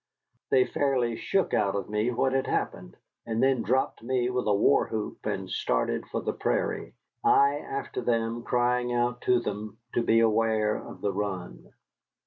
They fairly shook out of me what had happened, and then dropped me with a war whoop and started for the prairie, I after them, crying out to them to beware of the run.